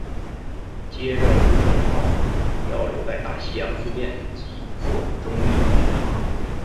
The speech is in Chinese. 接着顾盛号主要留在大西洋训练及作中立巡航。